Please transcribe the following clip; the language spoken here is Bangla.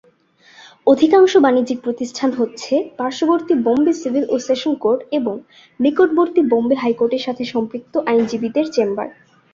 অধিকাংশ বাণিজ্যিক প্রতিষ্ঠান হচ্ছে পার্শ্ববর্তী বোম্বে সিভিল ও সেশন কোর্ট এবং নিকটবর্তী বোম্বে হাইকোর্টের সাথে সম্পৃক্ত আইনজীবীদের চেম্বার।